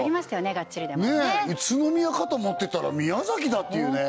ねっ宇都宮かと思ってたら宮崎だっていうね